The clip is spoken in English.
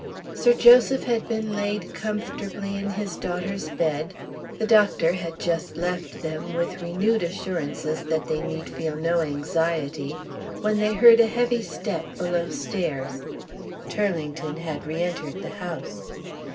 Sir Joseph had been laid comfortably in his daughter's bed; the doctor had just left them, with renewed assurances that they need feel no anxiety, when they heard a heavy step below stairs. Turlington had re entered the house.